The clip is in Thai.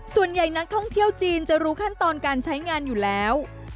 ส่วนใหญ่นักท่องเที่ยวจีนจะรู้ขั้นตอนการใช้งานอยู่แล้ว